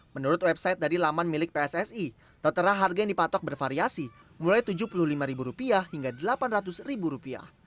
menurut website dari laman milik pssi tertera harga yang dipatok bervariasi mulai tujuh puluh lima ribu rupiah hingga delapan ratus ribu rupiah